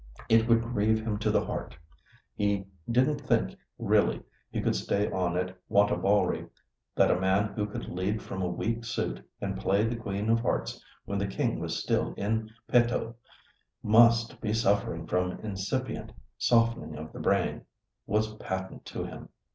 It would grieve him to the heart. He didn't think really he could stay on at Wantabalree; that a man who could lead from a weak suit and play the Queen of Hearts when the King was still in petto, must be suffering from incipient softening of the brain, was patent to him.